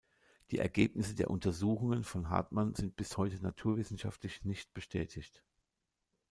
Die Ergebnisse der Untersuchungen von Hartmann sind bis heute naturwissenschaftlich nicht bestätigt.